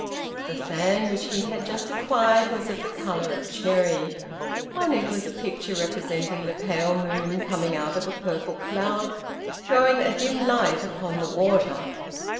The fan which he had just acquired was of the color of cherry. On it was a picture representing the pale moon coming out of a purple cloud, throwing a dim light upon the water.